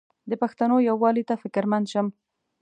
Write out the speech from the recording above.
د پښتنو یووالي ته فکرمند شم.